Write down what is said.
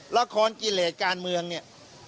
ละครกิเลสการเมืองเนี่ย